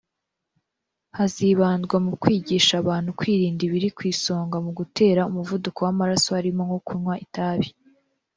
hazibandwa mu kwigisha abantu kwirinda ibiri ku isonga mu gutera umuvuduko w’amaraso harimo nko kunywa itabi